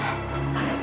kamu betul mano